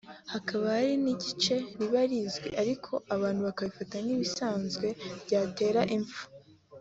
hakaba n’igihe riba rizwi ariko abantu bakarifata nk’irisanzwe…ryatera impfu